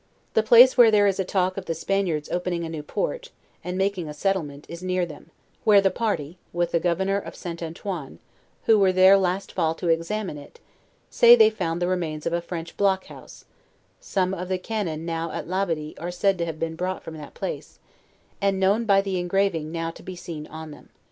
The place where there is a talk of the Spaniards opening a new port } and making a settlement, is near them; where the party, with the governor of St. Antoine, who were there last fall to examine it, say they found the remains of a French block house; some of the cannon now at Labahie are said to have been brought from that place, and known by the engraving now to be seen on them.